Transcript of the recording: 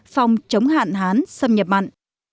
phòng chống hạn hán xâm nhập mặn